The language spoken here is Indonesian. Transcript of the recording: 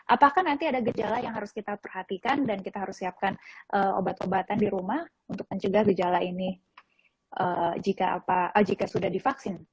apakah nanti ada gejala yang harus kita perhatikan dan kita harus siapkan obat obatan di rumah untuk mencegah gejala ini jika sudah divaksin